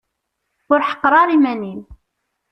Ur ḥeqqer ara iman-im.